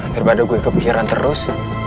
daripada gue kepikiran terus